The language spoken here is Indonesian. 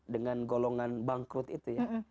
dengan golongan bangkrut itu ya